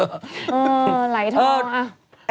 เออไหลเถอะ